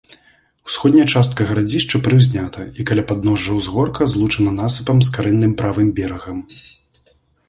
Усходняя частка гарадзішча прыўзнята і каля падножжа ўзгорка злучана насыпам з карэнным правым берагам.